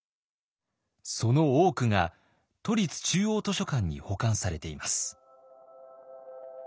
その多くが都立中央図書館に保管されています。